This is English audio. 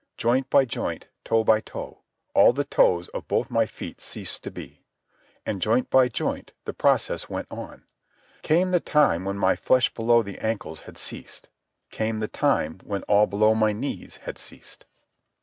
Joint by joint, toe by toe, all the toes of both my feet ceased to be. And joint by joint, the process went on. Came the time when my flesh below the ankles had ceased. Came the time when all below my knees had ceased.